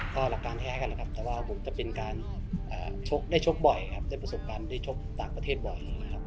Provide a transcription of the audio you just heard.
ก็หลักการแท้กันนะครับแต่ว่าผมจะเป็นการชกได้ชกบ่อยครับได้ประสบการณ์ได้ชกต่างประเทศบ่อยนะครับ